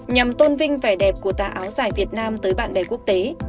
nhằm tôn vinh vẻ đẹp của ta áo sải việt nam tới bạn bè quốc tế